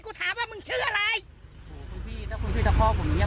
กูถามว่ามึงชื่ออะไรโหคุณพี่ถ้าคุณพี่จะพ่อผมอย่างเงี้ย